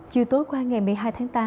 chiều tối qua ngày một mươi hai tháng tám